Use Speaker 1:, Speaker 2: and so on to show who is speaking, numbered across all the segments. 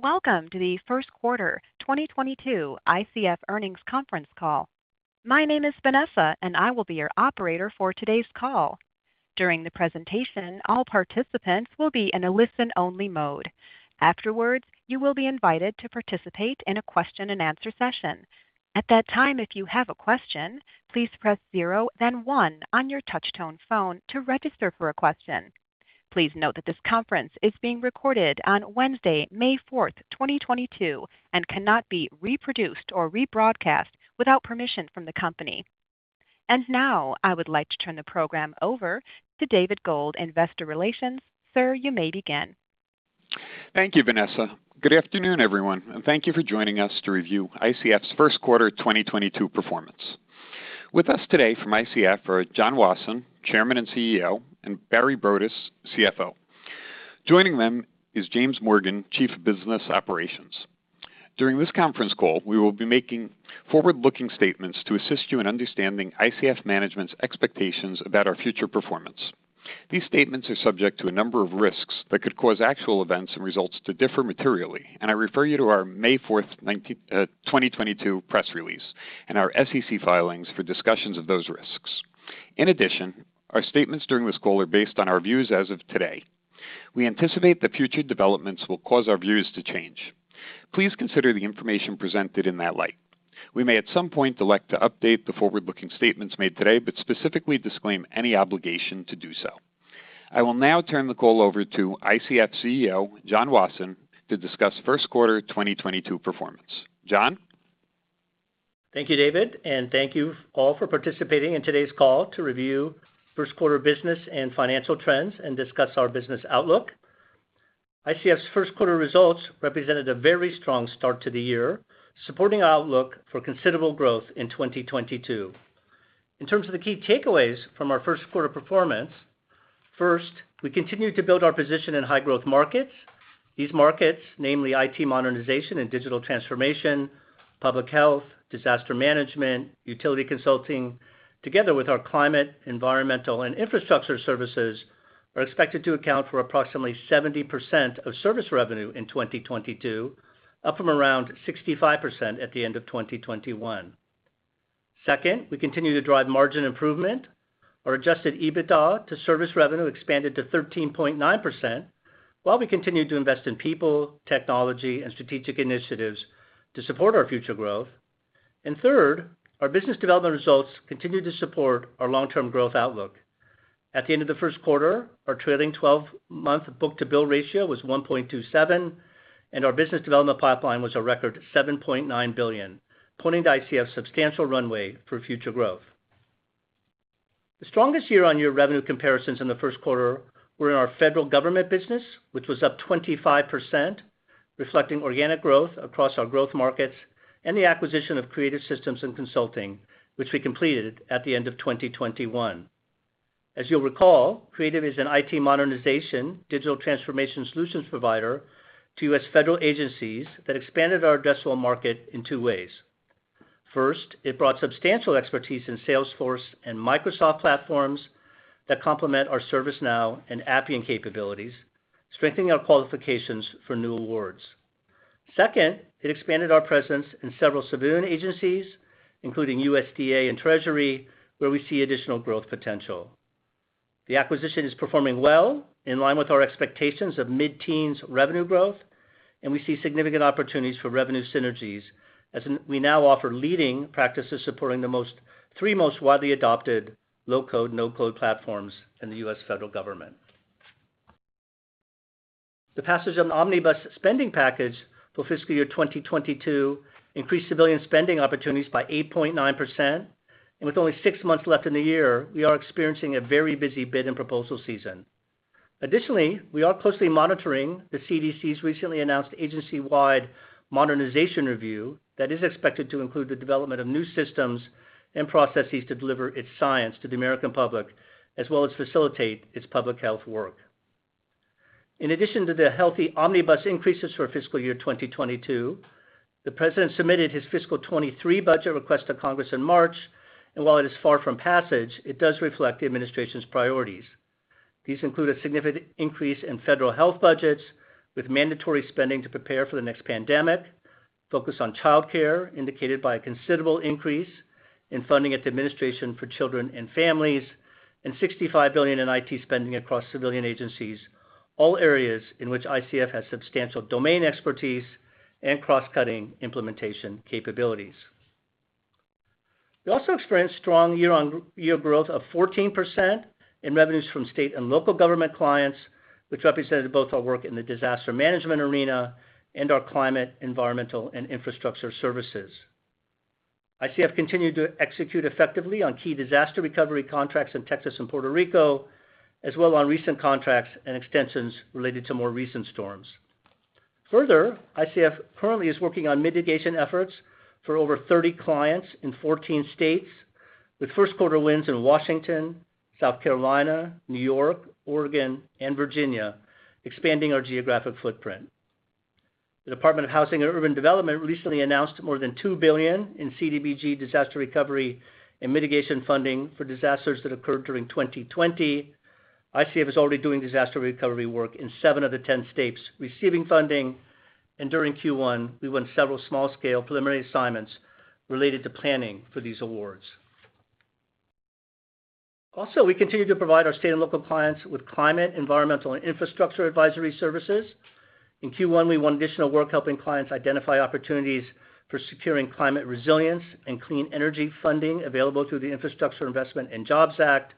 Speaker 1: Welcome to Q1 2022 ICF Earnings Conference Call. My name is Vanessa, and I will be your operator for today's call. During the presentation, all participants will be in a listen-only mode. Afterwards, you will be invited to participate in a question-and-answer session. At that time, if you have a question, please press zero then one on your touchtone phone to register for a question. Please note that this conference is being recorded on Wednesday, May 4, 2022, and cannot be reproduced or rebroadcast without permission from the company. Now I would like to turn the program over to David Gold, Investor Relations. Sir, you may begin.
Speaker 2: Thank you, Vanessa. Good afternoon, everyone, and thank you for joining us to review ICF's Q1 2022 performance. With us today from ICF are John Wasson, Chairman and CEO, and Barry Broadus, CFO. Joining them is James Morgan, Chief of Business Operations. During this Conference Call, we will be making forward-looking statements to assist you in understanding ICF management's expectations about our future performance. These statements are subject to a number of risks that could cause actual events and results to differ materially, and I refer you to our May fourth, 2022 press release and our SEC filings for discussions of those risks. In addition, our statements during this call are based on our views as of today. We anticipate that future developments will cause our views to change. Please consider the information presented in that light. We may at some point elect to update the forward-looking statements made today, but specifically disclaim any obligation to do so. I will now turn the call over to ICF CEO, John Wasson, to discuss Q1 2022 performance. John?
Speaker 3: Thank you, David, and thank you all for participating in today's call to review Q1 business and financial trends and discuss our business outlook. ICF's Q1 results represented a very strong start to the year, supporting our outlook for considerable growth in 2022. In terms of the key takeaways from our Q1 performance, first, we continue to build our position in high-growth markets. These markets, namely IT modernization and digital transformation, public health, disaster management, utility consulting, together with our climate, environmental, and infrastructure services, are expected to account for approximately 70% of service revenue in 2022, up from around 65% at the end of 2021. Second, we continue to drive margin improvement. Our adjusted EBITDA to service revenue expanded to 13.9% while we continued to invest in people, technology, and strategic initiatives to support our future growth. Third, our business development results continued to support our long-term growth outlook. At the end of Q1, our trailing twelve-month book-to-bill ratio was 1.27, and our business development pipeline was a record $7.9 billion, pointing to ICF's substantial runway for future growth. The strongest year-over-year revenue comparisons in Q1 were in our federal government business, which was up 25%, reflecting organic growth across our growth markets and the acquisition of Creative Systems and Consulting, which we completed at the end of 2021. As you'll recall, Creative is an IT modernization digital transformation solutions provider to U.S. federal agencies that expanded our addressable market in two ways. First, it brought substantial expertise in Salesforce and Microsoft platforms that complement our ServiceNow and Appian capabilities, strengthening our qualifications for new awards. Second, it expanded our presence in several civilian agencies, including USDA and Treasury, where we see additional growth potential. The acquisition is performing well, in line with our expectations of mid-teens revenue growth, and we see significant opportunities for revenue synergies as we now offer leading practices supporting the three most widely adopted low-code, no-code platforms in the U.S. federal government. The passage of the Omnibus spending package for fiscal year 2022 increased civilian spending opportunities by 8.9%, and with only six months left in the year, we are experiencing a very busy bid and proposal season. Additionally, we are closely monitoring the CDC's recently announced agency-wide modernization review that is expected to include the development of new systems and processes to deliver its science to the American public, as well as facilitate its public health work. In addition to the healthy Omnibus increases for fiscal year 2022, the President submitted his fiscal 2023 budget request to Congress in March, and while it is far from passage, it does reflect the administration's priorities. These include a significant increase in federal health budgets with mandatory spending to prepare for the next pandemic, focus on childcare, indicated by a considerable increase in funding at the Administration for Children and Families, and $65 billion in IT spending across civilian agencies, all areas in which ICF has substantial domain expertise and cross-cutting implementation capabilities. We also experienced strong year-on-year growth of 14% in revenues from state and local government clients, which represented both our work in the disaster management arena and our climate, environmental, and infrastructure services. ICF continued to execute effectively on key disaster recovery contracts in Texas and Puerto Rico, as well as on recent contracts and extensions-related to more recent storms. Further, ICF currently is working on mitigation efforts for over 30 clients in 14 states, with Q1 wins in Washington, South Carolina, New York, Oregon, and Virginia, expanding our geographic footprint. The Department of Housing and Urban Development recently announced more than $2 billion in CDBG disaster recovery and mitigation funding for disasters that occurred during 2020. ICF is already doing disaster recovery work in seven of the 10 states receiving funding, and during Q1, we won several small-scale preliminary assignments-related to planning for these awards. Also, we continue to provide our state and local clients with climate, environmental, and infrastructure advisory services. In Q1, we won additional work helping clients identify opportunities for securing climate resilience and clean energy funding available through the Infrastructure Investment and Jobs Act,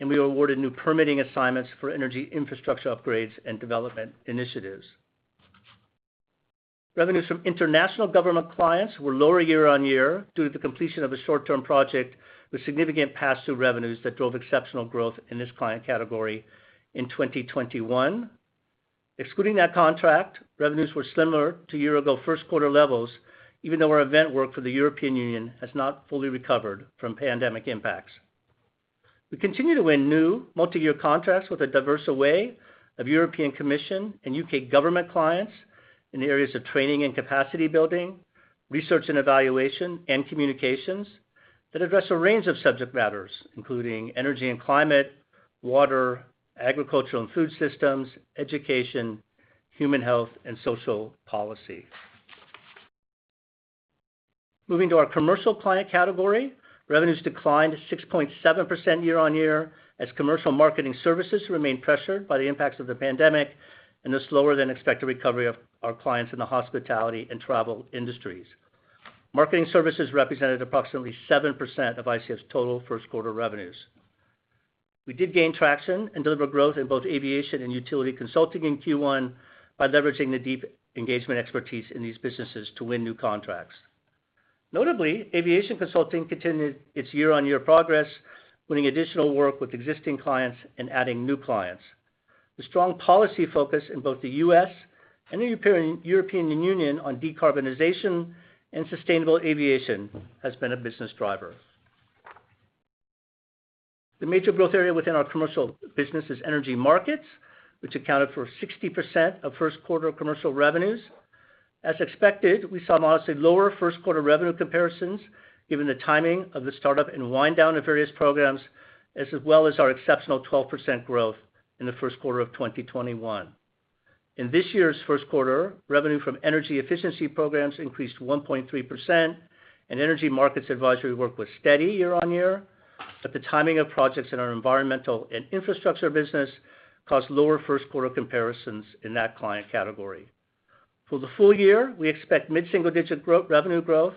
Speaker 3: and we were awarded new permitting assignments for energy infrastructure upgrades and development initiatives. Revenues from international government clients were lower year-on-year due to the completion of a short-term project with significant pass-through revenues that drove exceptional growth in this client category in 2021. Excluding that contract, revenues were similar to year-ago Q1 levels, even though our event work for the European Union has not fully recovered from pandemic impacts. We continue to win new multiyear contracts with a diverse array of European Commission and U.K. government clients in the areas of training and capacity building, research and evaluation, and communications that address a range of subject matters, including energy and climate, water, agricultural and food systems, education, human health, and social policy. Moving to our commercial client category, revenues declined 6.7% year-on-year as commercial marketing services remained pressured by the impacts of the pandemic and the slower than expected recovery of our clients in the hospitality and travel industries. Marketing services represented approximately 7% of ICF's total Q1 revenues. We did gain traction and deliver growth in both aviation and utility consulting in Q1 by leveraging the deep engagement expertise in these businesses to win new contracts. Notably, aviation consulting continued its year-on-year progress, winning additional work with existing clients and adding new clients. The strong policy focus in both the U.S. and the European Union on decarbonization and sustainable aviation has been a business driver. The major growth area within our commercial business is energy markets, which accounted for 60% of Q1 commercial revenues. As expected, we saw modestly lower Q1 revenue comparisons given the timing of the startup and wind down of various programs, as well as our exceptional 12% growth in Q1 of 2021. In this year's Q1, revenue from energy efficiency programs increased 1.3% and energy markets advisory work was steady year-on-year, but the timing of projects in our environmental and infrastructure business caused lower Q1 comparisons in that client category. For the full-year, we expect mid-single-digit revenue growth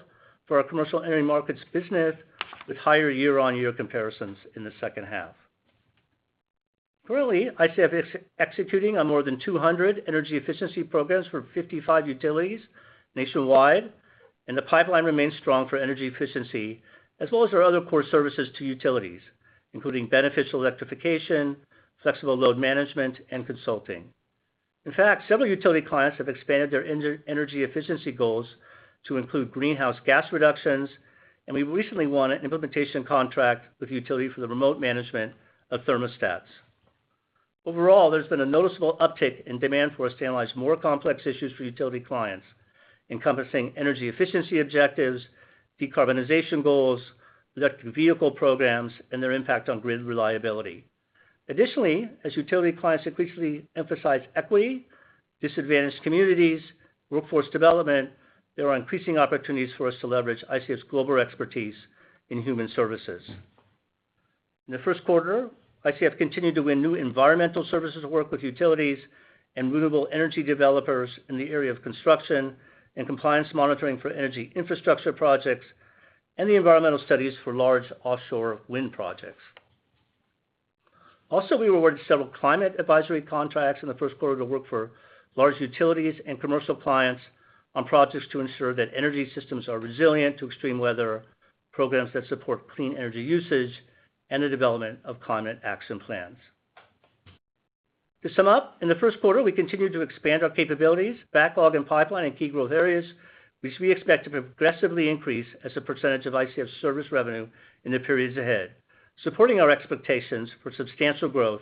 Speaker 3: for our commercial energy markets business with higher year-on-year comparisons in the second half. Currently, ICF is executing on more than 200 energy efficiency programs for 55 utilities nationwide, and the pipeline remains strong for energy efficiency as well as our other core services to utilities, including beneficial electrification, flexible load management, and consulting. In fact, several utility clients have expanded their energy efficiency goals to include greenhouse gas reductions, and we recently won an implementation contract with a utility for the remote management of thermostats. Overall, there's been a noticeable uptick in demand for us to analyze more complex issues for utility clients, encompassing energy efficiency objectives, decarbonization goals, electric vehicle programs, and their impact on grid reliability. Additionally, as utility clients increasingly emphasize equity, disadvantaged communities, workforce development, there are increasing opportunities for us to leverage ICF's global expertise in human services. In Q1, ICF continued to win new environmental services work with utilities and renewable energy developers in the area of construction and compliance monitoring for energy infrastructure projects and the environmental studies for large offshore wind projects. Also, we were awarded several climate advisory contracts in Q1 to work for large utilities and commercial clients on projects to ensure that energy systems are resilient to extreme weather, programs that support clean energy usage, and the development of climate action plans. To sum up, in Q1, we continued to expand our capabilities, backlog, and pipeline in key growth areas, which we expect to progressively increase as a percentage of ICF service revenue in the periods ahead, supporting our expectations for substantial growth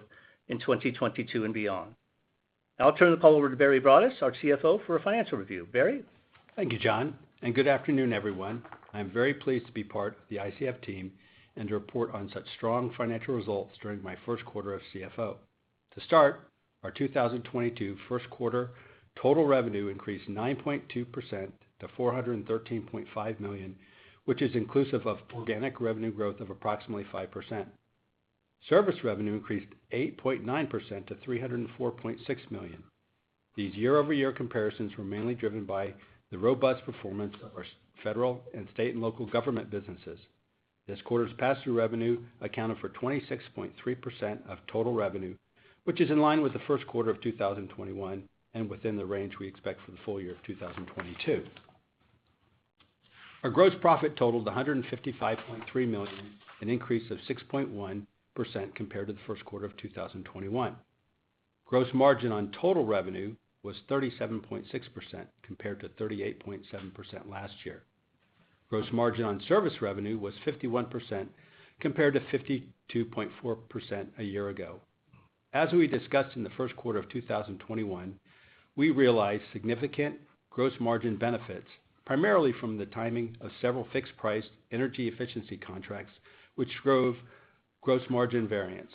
Speaker 3: in 2022 and beyond. Now I'll turn the call over to Barry Broadus, our CFO, for a financial review. Barry?
Speaker 4: Thank you, John, and good afternoon, everyone. I'm very pleased to be part of the ICF team and to report on such strong financial results during my Q1 as CFO. To start, our 2022 Q1 total revenue increased 9.2% to $413.5 million, which is inclusive of organic revenue growth of approximately 5%. Service revenue increased 8.9% to $304.6 million. These year-over-year comparisons were mainly driven by the robust performance of our federal and state and local government businesses. This quarter's pass-through revenue accounted for 26.3% of total revenue, which is in line with Q1 of 2021 and within the range we expect for the full-year of 2022. Our gross profit totaled $155.3 million, an increase of 6.1% compared to Q1 of 2021. Gross margin on total revenue was 37.6% compared to 38.7% last year. Gross margin on service revenue was 51% compared to 52.4% a year ago. We discussed in Q1 of 2021, we realized significant gross margin benefits, primarily from the timing of several fixed price energy efficiency contracts, which drove gross margin variance.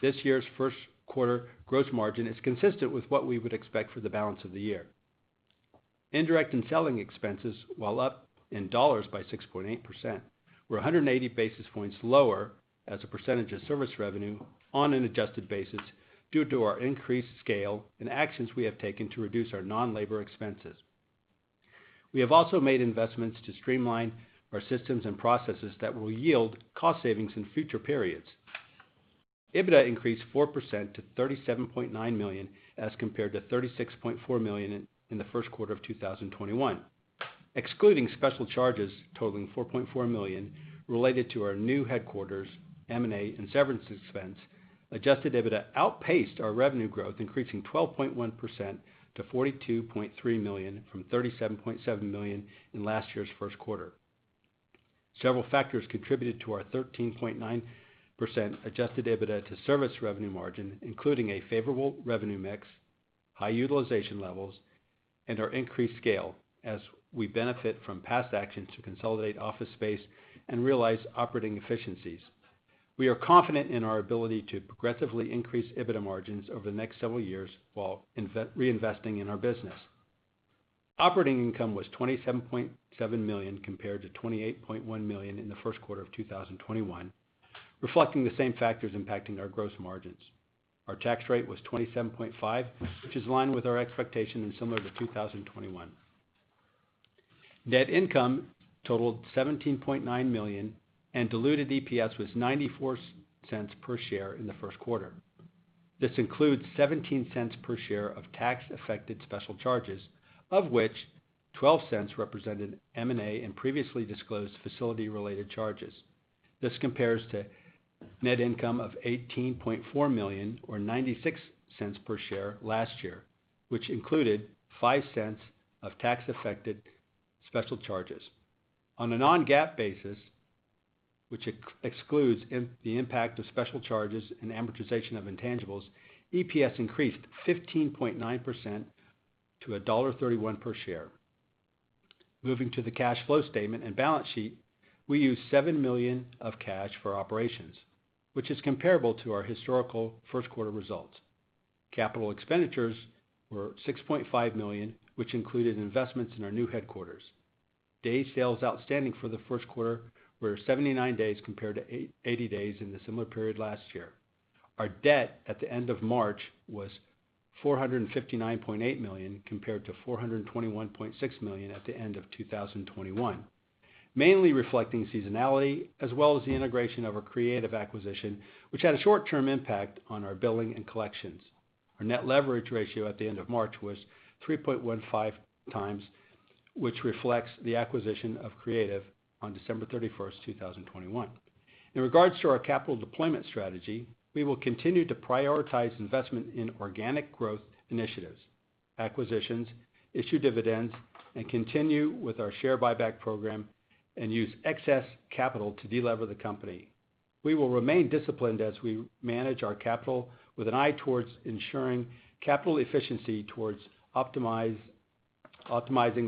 Speaker 4: This year's Q1 gross margin is consistent with what we would expect for the balance of the year. Indirect and selling expenses, while up in dollars by 6.8%, were 180 basis points lower as a percentage of service revenue on an adjusted basis due to our increased scale and actions we have taken to reduce our non-labor expenses. We have also made investments to streamline our systems and processes that will yield cost savings in future periods. EBITDA increased 4% to $37.9 million, as compared to $36.4 million in Q1 of 2021. Excluding special charges totaling $4.4 million related to our new headquarters, M&A and severance expense, adjusted EBITDA outpaced our revenue growth, increasing 12.1% to $42.3 million from $37.7 million in last year's Q1. Several factors contributed to our 13.9% adjusted EBITDA to service revenue margin, including a favorable revenue mix, high utilization levels, and our increased scale as we benefit from past actions to consolidate office space and realize operating efficiencies. We are confident in our ability to progressively increase EBITDA margins over the next several years while reinvesting in our business. Operating income was $27.7 million compared to $28.1 million in Q1 of 2021, reflecting the same factors impacting our gross margins. Our tax rate was 27.5%, which is in line with our expectation and similar to 2021. Net income totaled $17.9 million, and diluted EPS was $0.94 per share in Q1. This includes $0.17 per share of tax-affected special charges, of which $0.12 represented M&A and previously disclosed facility-related charges. This compares to net income of $18.4 million, or $0.96 per share last year, which included $0.05 of tax-affected special charges. On a non-GAAP basis, which excludes the impact of special charges and amortization of intangibles, EPS increased 15.9% to $1.31 per share. Moving to the cash flow statement and balance sheet, we used $7 million of cash for operations, which is comparable to our historical Q1results. Capital expenditures were $6.5 million, which included investments in our new headquarters. Day sales outstanding for Q1 were 79 days compared to eighty days in the similar period last year. Our debt at the end of March was $459.8 million compared to $421.6 million at the end of 2021, mainly reflecting seasonality as well as the integration of our Creative acquisition, which had a short-term impact on our billing and collections. Our net leverage ratio at the end of March was 3.15 times, which reflects the acquisition of Creative on December 31, 2021. In regards to our capital deployment strategy, we will continue to prioritize investment in organic growth initiatives, acquisitions, issue dividends, and continue with our share buyback program and use excess capital to de-lever the company. We will remain disciplined as we manage our capital with an eye towards ensuring capital efficiency towards optimizing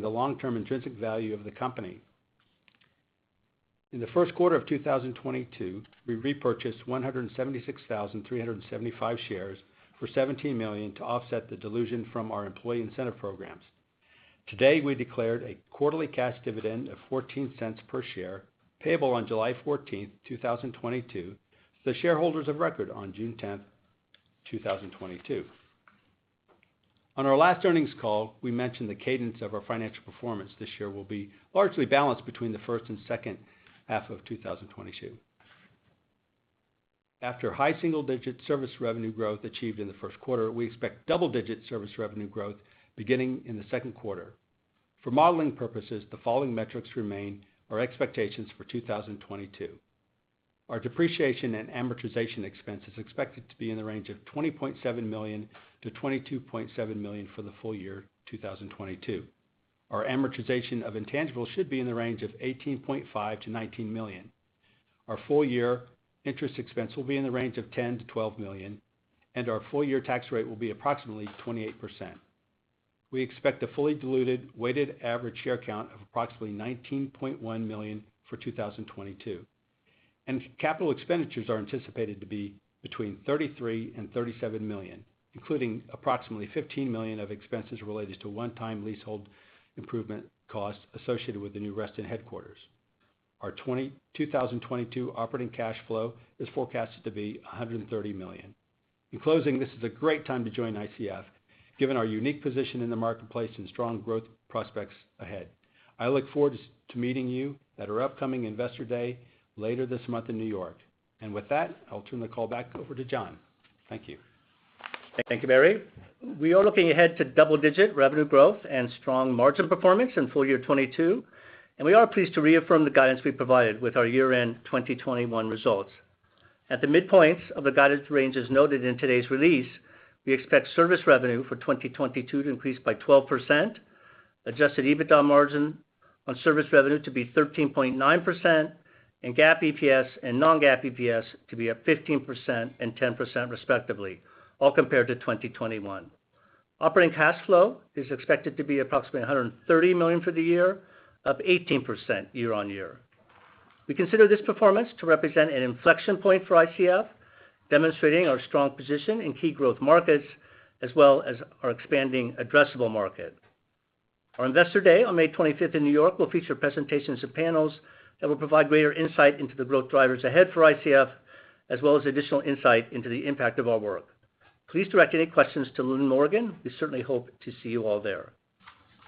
Speaker 4: the long-term intrinsic value of the company. In Q1 of 2022, we repurchased 176,375 shares for $17 million to offset the dilution from our employee incentive programs. Today, we declared a quarterly cash dividend of $0.14 per share payable on July 14, 2022 to the shareholders of record on June 10, 2022. On our last earnings call, we mentioned the cadence of our financial performance this year will be largely balanced between the first and second half of 2022. After high-single-digit service revenue growth achieved in Q1, we expect double-digits service revenue growth beginning in Q2. For modeling purposes, the following metrics remain our expectations for 2022. Our depreciation and amortization expense is expected to be in the range of $20.7 million-$22.7 million for the full-year 2022. Our amortization of intangibles should be in the range of $18.5-$19 million. Our full-year interest expense will be in the range of $10-$12 million, and our full-year tax rate will be approximately 28%. We expect a fully diluted weighted average share count of approximately 19.1 million for 2022. Capital expenditures are anticipated to be between $33-$37 million, including approximately $15 million of expenses-related to one-time leasehold improvement costs associated with the new Reston headquarters. Our 2022 operating cash flow is forecasted to be $130 million. In closing, this is a great time to join ICF, given our unique position in the marketplace and strong growth prospects ahead. I look forward to meeting you at our upcoming Investor Day later this month in New York. With that, I'll turn the call back over to John. Thank you.
Speaker 3: Thank you, Barry. We are looking ahead to double-digit revenue growth and strong margin performance in full-year 2022, and we are pleased to reaffirm the guidance we provided with our year-end 2021 results. At the midpoints of the guidance ranges noted in today's release, we expect service revenue for 2022 to increase by 12%, adjusted EBITDA margin on service revenue to be 13.9%, and GAAP EPS and non-GAAP EPS to be up 15% and 10% respectively, all compared to 2021. Operating cash flow is expected to be approximately $130 million for the year, up 18% year on year. We consider this performance to represent an inflection point for ICF, demonstrating our strong position in key growth markets as well as our expanding addressable market. Our Investor Day on May 25th in New York will feature presentations and panels that will provide greater insight into the growth drivers ahead for ICF, as well as additional insight into the impact of our work. Please direct any questions to Lynn Morgen. We certainly hope to see you all there.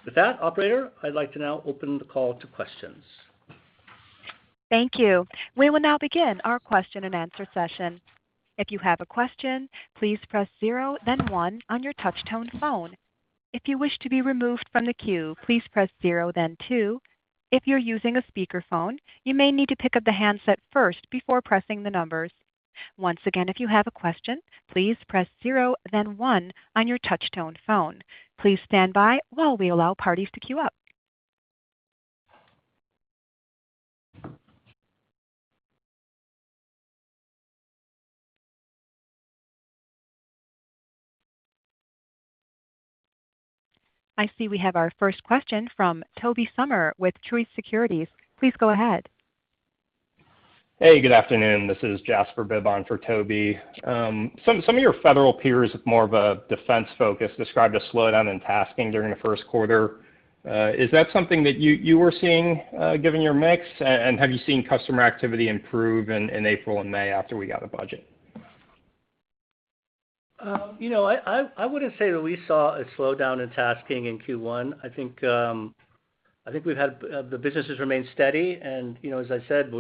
Speaker 3: With that, operator, I'd like to now open the call to questions.
Speaker 1: Thank you. We will now begin our question-and-answer session. If you have a question, please press zero, then one on your touch-tone phone. If you wish to be removed from the queue, please press zero, then two. If you're using a speakerphone, you may need to pick up the handset first before pressing the numbers. Once again, if you have a question, please press zero, then one on your touch-tone phone. Please stand by while we allow parties to queue up. I see we have our first question from Tobey Sommer with Truist Securities. Please go ahead.
Speaker 5: Hey, good afternoon. This is Jasper Bibb for Toby. Some of your federal peers with more of a defense focus described a slowdown in tasking during Q1. Is that something that you were seeing, given your mix? Have you seen customer activity improve in April and May after we got a budget?
Speaker 3: You know, I wouldn't say that we saw a slowdown in tasking in Q1. I think the business has remained steady and you know, as I said,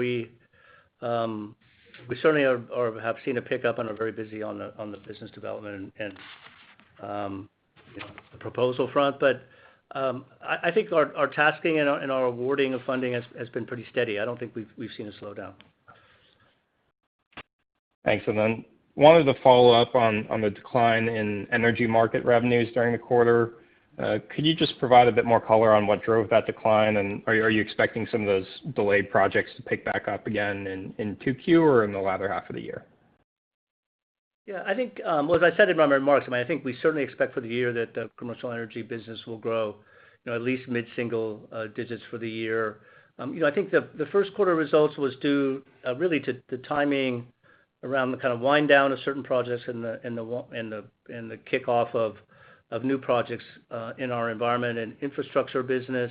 Speaker 3: we certainly have seen a pickup and are very busy on the business development and you know, the proposal front. I think our tasking and our awarding of funding has been pretty steady. I don't think we've seen a slowdown.
Speaker 5: Thanks. Wanted to follow-up on the decline in energy market revenues during the quarter. Could you just provide a bit more color on what drove that decline? Are you expecting some of those delayed projects to pick back up again in 2Q or in the latter half of the year?
Speaker 3: Yeah. I think, well, as I said in my remarks, I mean, I think we certainly expect for the year that the commercial energy business will grow, you know, at least mid-single-digit for the year. You know, I think Q1 results was due really to the timing around the kind of wind down of certain projects and the kickoff of new projects in our environment and infrastructure business.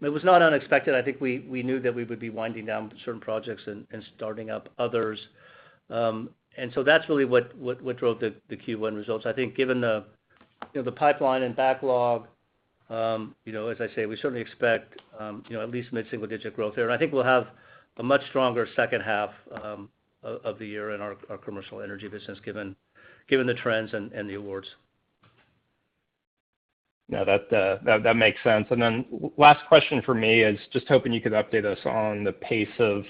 Speaker 3: It was not unexpected. I think we knew that we would be winding down certain projects and starting up others. And so that's really what drove the Q1 results. I think given the, you know, the pipeline and backlog, you know, as I say, we certainly expect, you know, at least mid-single-digit growth there. I think we'll have a much stronger second half of the year in our commercial energy business, given the trends and the awards.
Speaker 5: No, that makes sense. Then last question from me is just hoping you could update us on the pace of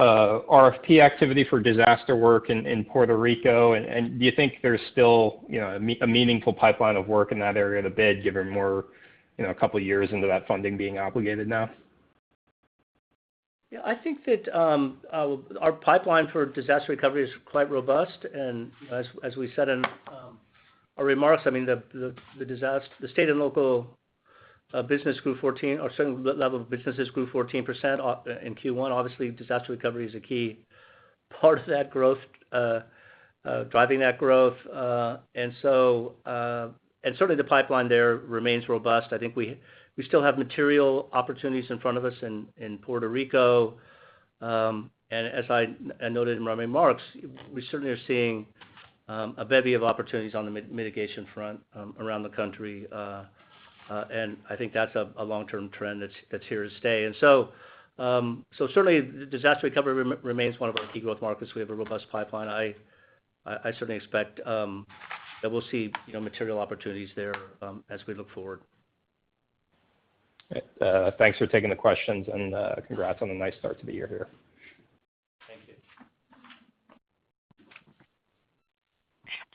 Speaker 5: RFP activity for disaster work in Puerto Rico. Do you think there's still, you know, a meaningful pipeline of work in that area to bid given we're, you know, a couple years into that funding being obligated now?
Speaker 3: Yeah. I think that our pipeline for disaster recovery is quite robust. As we said in our remarks, I mean, the state and local business grew 14% in Q1. Obviously, disaster recovery is a key part of that growth, driving that growth. Certainly the pipeline there remains robust. I think we still have material opportunities in front of us in Puerto Rico. As I noted in my remarks, we certainly are seeing a bevy of opportunities on the mitigation front around the country. I think that's a long-term trend that's here to stay. Certainly disaster recovery remains one of our key growth markets. We have a robust pipeline. I certainly expect that we'll see, you know, material opportunities there as we look forward.
Speaker 5: Okay. Thanks for taking the questions and, congrats on a nice start to the year here.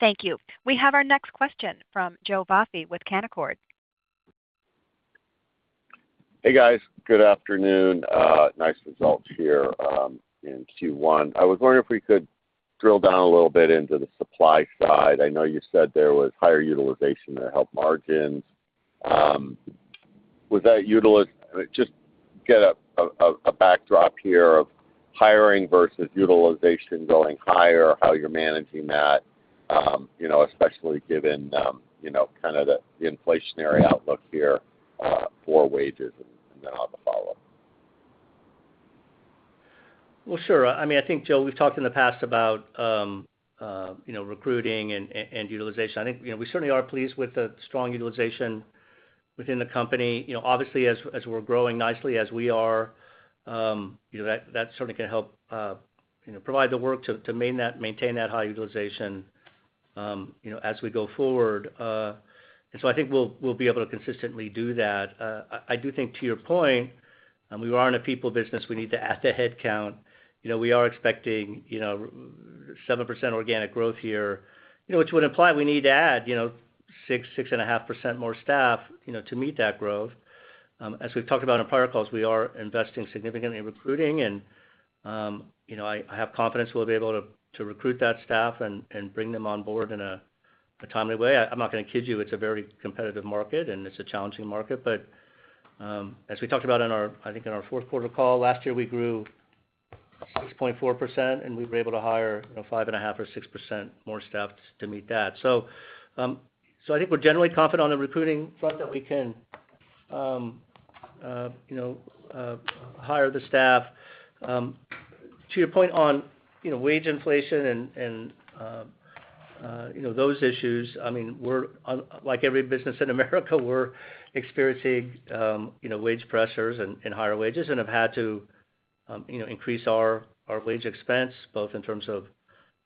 Speaker 3: Thank you.
Speaker 1: Thank you. We have our next question from Joe Vafi with Canaccord.
Speaker 6: Hey, guys. Good afternoon. Nice results here in Q1. I was wondering if we could drill down a little bit into the supply side. I know you said there was higher utilization that helped margins. Just get a backdrop here of hiring versus utilization going higher, how you're managing that, you know, especially given kind of the inflationary outlook here for wages and then I'll have a follow-up.
Speaker 3: Well, sure. I mean, I think, Joe, we've talked in the past about, you know, recruiting and utilization. I think, you know, we certainly are pleased with the strong utilization within the company. You know, obviously as we're growing nicely as we are, you know, that certainly can help, you know, provide the work to maintain that high utilization, you know, as we go forward. I think we'll be able to consistently do that. I do think to your point, we are in a people business. We need to add the headcount. You know, we are expecting, you know, 7% organic growth here, you know, which would imply we need to add, you know, 6.5% more staff, you know, to meet that growth. As we've talked about on prior calls, we are investing significantly in recruiting and, you know, I have confidence we'll be able to recruit that staff and bring them on board in a timely way. I'm not gonna kid you, it's a very competitive market, and it's a challenging market. As we talked about on our, I think, in our Q4 call last year, we grew 6.4%, and we were able to hire, you know, 5.5 or 6% more staff to meet that. I think we're generally confident on the recruiting front that we can, you know, hire the staff. To your point on, you know, wage inflation and you know, those issues, I mean, we're like every business in America, we're experiencing you know, wage pressures and higher wages and have had to you know, increase our wage expense, both in terms of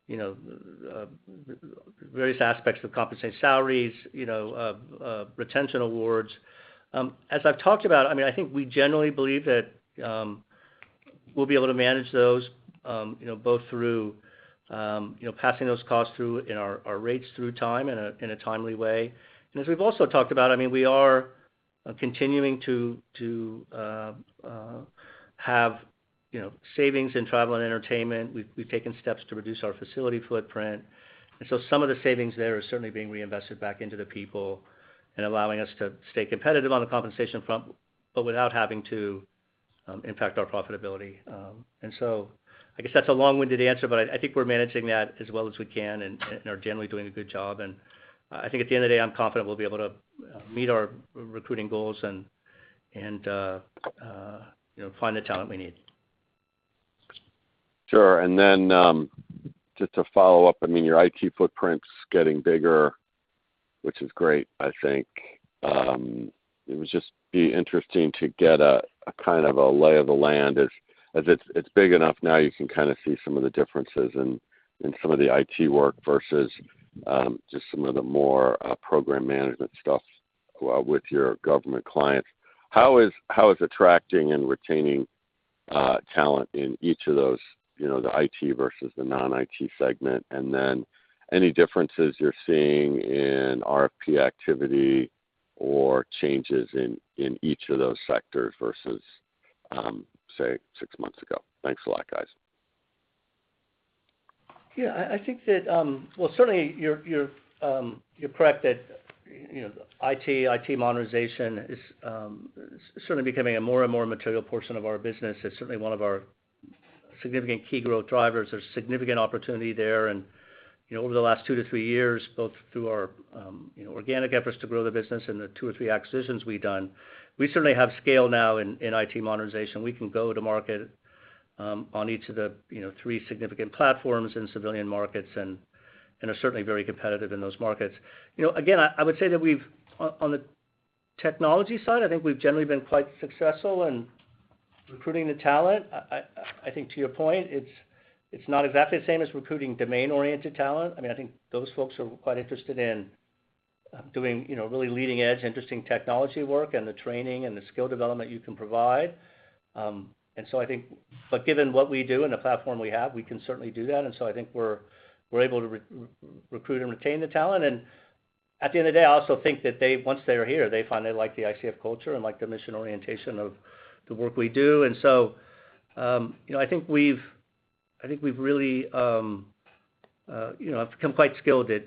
Speaker 3: you know, various aspects of compensation, salaries, you know, retention awards. As I've talked about, I mean, I think we generally believe that we'll be able to manage those you know, both through you know, passing those costs through in our rates over time in a timely way. As we've also talked about, I mean, we are continuing to have you know, savings in travel and entertainment. We've taken steps to reduce our facility footprint. Some of the savings there are certainly being reinvested back into the people and allowing us to stay competitive on the compensation front, but without having to impact our profitability. I guess that's a long-winded answer, but I think we're managing that as well as we can and you know find the talent we need.
Speaker 6: Sure. Then, just to follow-up, I mean, your IT footprint's getting bigger, which is great, I think. It would just be interesting to get a kind of a lay of the land as it's big enough now you can kinda see some of the differences in some of the IT work versus just some of the more program management stuff with your government clients. How is attracting and retaining talent in each of those, you know, the IT versus the non-IT segment? Then any differences you're seeing in RFP activity or changes in each of those sectors versus say, six months ago? Thanks a lot, guys.
Speaker 3: Yeah. I think that, well, certainly you're correct that, you know, IT modernization is certainly becoming a more and more material portion of our business. It's certainly one of our significant key growth drivers. There's significant opportunity there and, you know, over the last 2-3 years, both through our, you know, organic efforts to grow the business and the 2 or 3 acquisitions we've done. We certainly have scale now in IT modernization. We can go to market on each of the, you know, 3 significant platforms in civilian markets and are certainly very competitive in those markets. You know, again, I would say that we've. On the technology side, I think we've generally been quite successful in recruiting the talent. I think to your point, it's not exactly the same as recruiting domain-oriented talent. I mean, I think those folks are quite interested in doing, you know, really leading edge, interesting technology work and the training and the skill development you can provide. I think, but given what we do and the platform we have, we can certainly do that. I think we're able to recruit and retain the talent. At the end of the day, I also think that they, once they're here, find they like the ICF culture and like the mission orientation of the work we do. You know, I think we've really become quite skilled at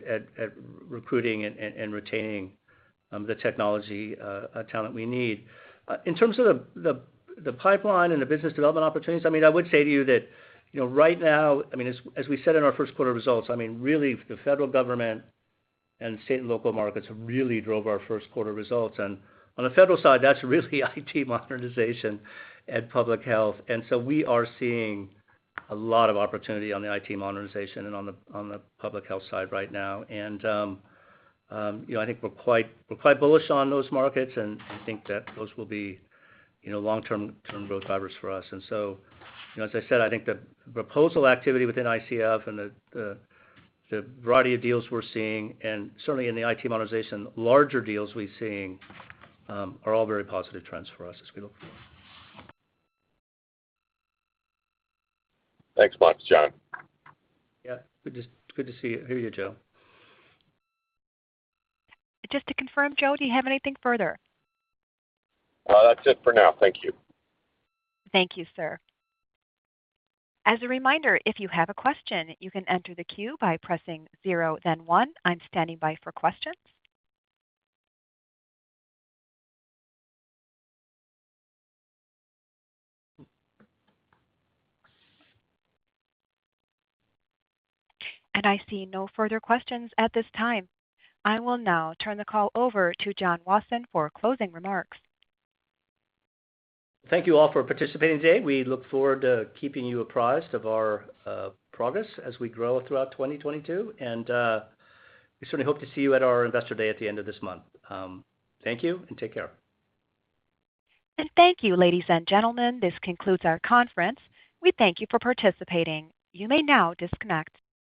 Speaker 3: recruiting and retaining the technology talent we need. In terms of the pipeline and the business development opportunities, I mean, I would say to you that, you know, right now, I mean, as we said in our Q1 results, I mean, really the federal government and state and local markets really drove our Q1 results. On the federal side, that's really IT modernization and public health. We are seeing a lot of opportunity on the IT modernization and on the public health side right now. You know, I think we're quite bullish on those markets, and I think that those will be, you know, long-term growth drivers for us. You know, as I said, I think the proposal activity within ICF and the variety of deals we're seeing, and certainly in the IT modernization, larger deals we're seeing, are all very positive trends for us as we look forward.
Speaker 6: Thanks much, John.
Speaker 3: Yeah. Good to hear you, Joe.
Speaker 1: Just to confirm, Joe, do you have anything further?
Speaker 6: No, that's it for now. Thank you.
Speaker 1: Thank you, sir. As a reminder, if you have a question, you can enter the queue by pressing zero then one. I'm standing by for questions. I see no further questions at this time. I will now turn the call over to John Wasson for closing remarks.
Speaker 3: Thank you all for participating today. We look forward to keeping you apprised of our progress as we grow throughout 2022. We certainly hope to see you at our investor day at the end of this month. Thank you, and take care.
Speaker 1: Thank you, ladies and gentlemen. This concludes our conference. We thank you for participating. You may now disconnect.